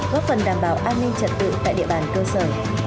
góp phần đảm bảo an ninh trật tự tại địa bàn cơ sở